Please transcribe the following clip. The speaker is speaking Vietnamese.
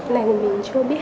lần này mình chưa biết